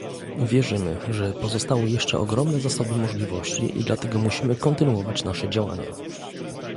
Wierzymy, że pozostały jeszcze ogromne zasoby możliwości i dlatego musimy kontynuować nasze działania